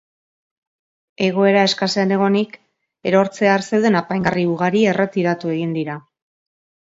Egoera eskasean egonik, erortzear zeuden apaingarri ugari erretiratu egin dira.